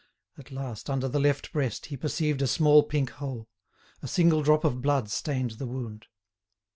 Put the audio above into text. At last under the left breast he perceived a small pink hole; a single drop of blood stained the wound.